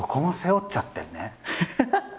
ハハハハ！